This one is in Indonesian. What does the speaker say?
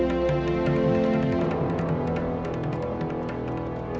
yang menjaga keamanan bapak reno